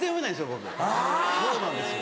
僕そうなんですよ。